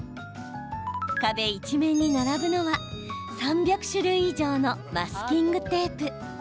壁一面に並ぶのは３００種類以上のマスキングテープ。